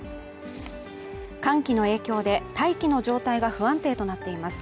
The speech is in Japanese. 寒気の影響で大気の状態が不安定となっています。